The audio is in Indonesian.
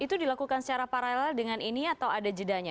itu dilakukan secara paralel dengan ini atau ada jedanya